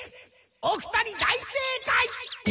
お二人大正解！